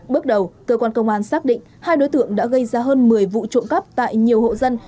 bước đầu cơ quan công an xác định hai đối tượng đã gây ra hơn một mươi vụ trộm cắp tại nhiều hộ dân